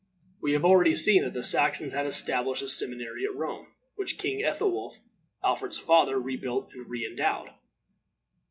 We have already seen that the Saxons had established a seminary at Rome, which King Ethelwolf, Alfred's father, rebuilt and re endowed.